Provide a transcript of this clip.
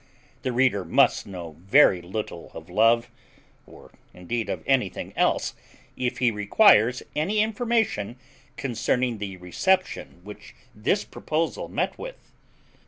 The reader must know very little of love, or indeed of anything else, if he requires any information concerning the reception which this proposal met with.